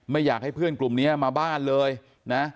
อยากให้เพื่อนกลุ่มนี้มาบ้านเลยนะ